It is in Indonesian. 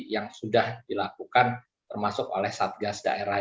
yang sudah dilakukan termasuk oleh satgas daerah